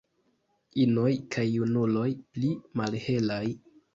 Inoj kaj junuloj pli malhelaj.